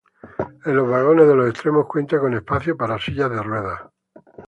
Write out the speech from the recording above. En los vagones de los extremos cuentan con espacio para sillas de ruedas.